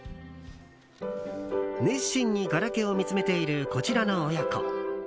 熱心にガラケーを見つめているこちらの親子。